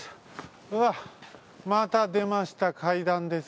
うわっまたでました階段です。